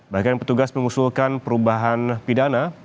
bahkan petugas mengusulkan perubahan pidana